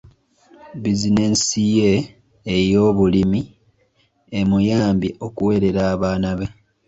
Bizinensi ye ey'obulimi emuyambye okuweerera abaana be.